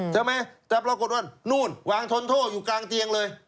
ใช่ไหมแต่ปรากฏว่านู่นวางทนโทษอยู่กลางเตียงเลย